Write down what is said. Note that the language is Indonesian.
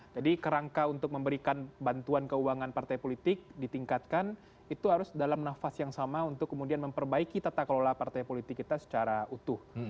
jadi kerangka untuk memberikan bantuan keuangan partai politik ditingkatkan itu harus dalam nafas yang sama untuk kemudian memperbaiki tata kelola partai politik kita secara utuh